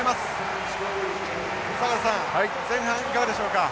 坂田さん前半いかがでしょうか。